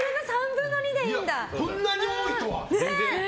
こんなに重いとは。